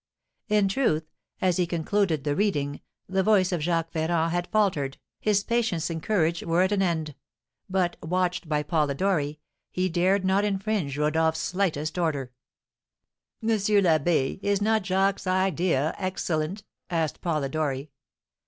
In truth, as he concluded the reading, the voice of Jacques Ferrand had faltered, his patience and courage were at an end; but, watched by Polidori, he dared not infringe Rodolph's slightest order. "M. l'Abbé, is not Jacques's idea excellent?" asked Polidori.